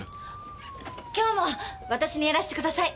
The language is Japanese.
今日も私にやらせてください。